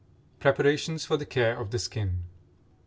PREPARATIONS FOR THE CARE OF THE SKIN.